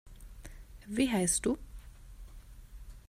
Wie heisst du?